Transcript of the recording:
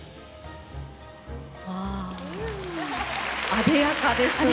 あでやかですね。